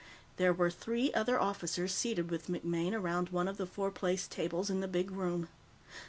There were three other officers seated with MacMaine around one of the four place tables in the big room.